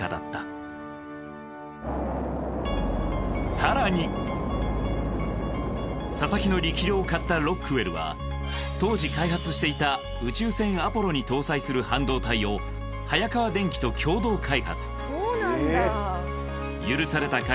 更に佐々木の力量を買った「ロックウェル」は当時開発していた宇宙船アポロに搭載する半導体を「早川電機」と共同開発そうなんだ。